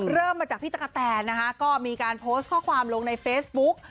เริ่มมาจากพี่ตะกะแตนนะคะก็มีการโพสต์ข้อความลงในเฟซบุ๊ก